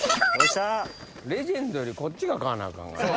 レジェンドよりこっちが買わなあかん。